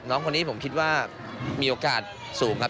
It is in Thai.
น้องคนนี้ผมคิดว่ามีโอกาสสูงครับ